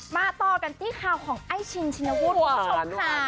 มาต่อกันบทข่าวของไอชินชินวูดคุณผู้ชมค่ะ